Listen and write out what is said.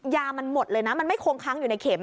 ยามันหมดเลยนะมันไม่คงค้างอยู่ในเข็ม